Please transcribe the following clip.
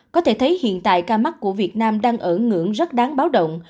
có thể thấy hiện tại ca mắc của việt nam đang ở ngưỡng rất đáng báo động